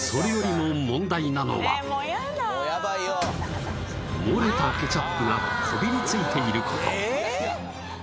もうやばいよ漏れたケチャップがこびりついていることええー？